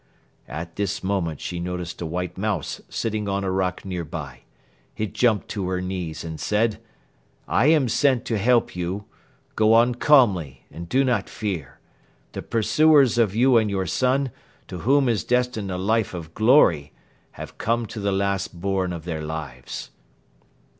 "At this moment she noticed a white mouse sitting on a rock nearby. It jumped to her knees and said: "'I am sent to help you. Go on calmly and do not fear. The pursuers of you and your son, to whom is destined a life of glory, have come to the last bourne of their lives.